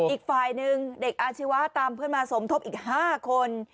อีกฝ่ายหนึ่งเด็กอาชีวะตามเพื่อนมาสมทบอีก๕คน